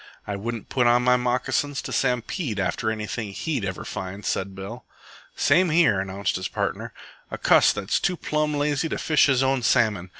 "I wouldn't put on my moccasins to stampede after anything he'd ever find," said Bill. "Same here," announced his partner. "A cuss that's too plumb lazy to fish his own salmon.